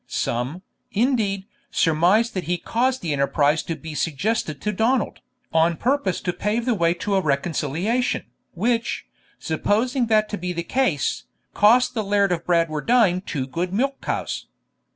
Some, indeed, surmised that he caused the enterprise to be suggested to Donald, on purpose to pave the way to a reconciliation, which, supposing that to be the case, cost the Laird of Bradwardine two good milch cows.